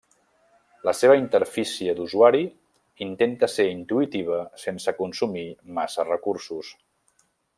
La seva interfície d'usuari intenta ser intuïtiva sense consumir massa recursos.